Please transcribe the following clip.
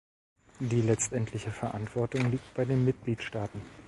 Die letztendliche Verantwortung liegt bei den Mitgliedstaaten.